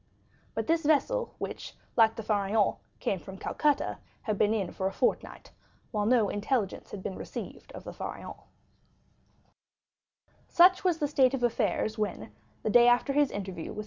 But this vessel which, like the Pharaon, came from Calcutta, had been in for a fortnight, while no intelligence had been received of the Pharaon. 20033m Such was the state of affairs when, the day after his interview with M.